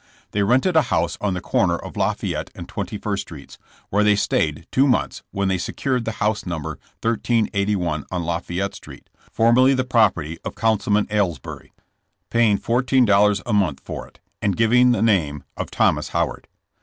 They rented a house on the corner of Lafay ette and Twenty first streets, where they stayed two months, when they secured the house No. 1381 on Lafayette Street, formerly the property of Council man Aylesbury, paying fourteen dollars a month for it, and giving the name of Thomas Howard.